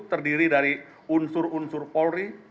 terdiri dari unsur unsur polri